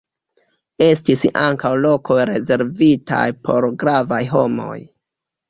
Estis ankaŭ lokoj rezervitaj por gravaj homoj.